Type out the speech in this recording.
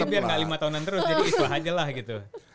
jadi biar gak lima tahunan terus jadi islah aja lah gitu